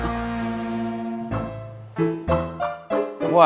gua jadi busa lu